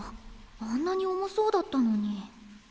あんなに重そうだったのに。